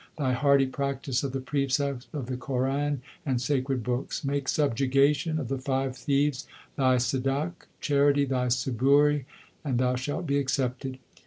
Thy hearty practice of the precepts of the Quran and sacred books. Make subjugation of the five thieves thy sidaq, 1 charity thy saburi, 2 and thou shalt be accepted.